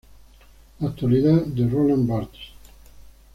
Actualidad de Roland Barthes.